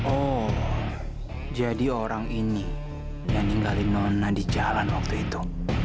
oh jadi orang ini yang ninggalin non di jalan waktu itu